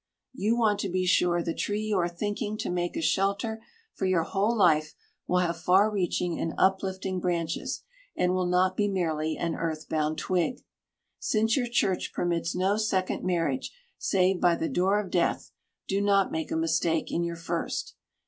You want to be sure the tree you are thinking to make a shelter for your whole life, will have far reaching and uplifting branches, and will not be merely an earth bound twig. Since your church permits no second marriage save by the door of death, do not make a mistake in your first.